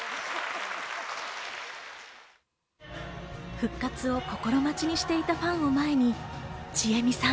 復活を心待ちにしていたファンを前に、ちえみさん。